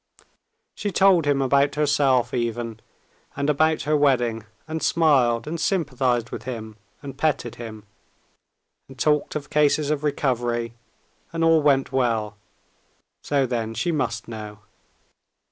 She told him about herself even and about her wedding, and smiled and sympathized with him and petted him, and talked of cases of recovery and all went well; so then she must know.